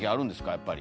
やっぱり。